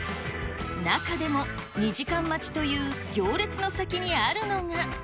中でも２時間待ちという行列の先にあるのが。